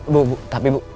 bu tapi bu